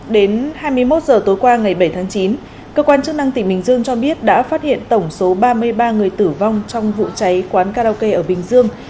đến hai mươi một h tối qua ngày bảy tháng chín cơ quan chức năng tỉnh bình dương cho biết đã phát hiện tổng số ba mươi ba người tử vong trong vụ cháy quán karaoke ở bình dương